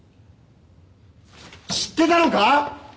知ってたのか！？